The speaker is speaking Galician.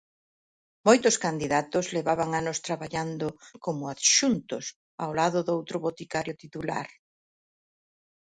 Moitos candidatos levaban anos traballando como adxuntos, ao lado doutro boticario titular.